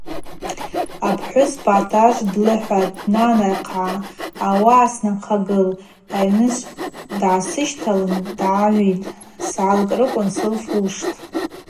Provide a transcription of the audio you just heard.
Апхӏвыспа атажв длыхӏватӏ: – Нана хъагӏа, ауаъа снахъагыл, айныжв дгӏасыщталын дгӏагӏвитӏ, сгӏалкӏрыквын сылфуштӏ.